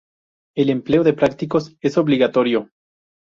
El empleo de prácticos es obligatorio.